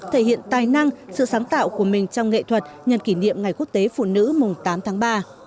thể hiện tài năng sự sáng tạo của mình trong nghệ thuật nhân kỷ niệm ngày quốc tế phụ nữ mùng tám tháng ba